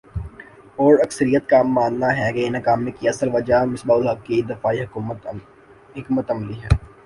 اور اکثریت کا ماننا ہے کہ ناکامی کی اصل وجہ مصباح الحق کی دفاعی حکمت عملی ہے ۔